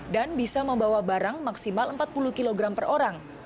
dan bisa membawa barang maksimal empat puluh kg per orang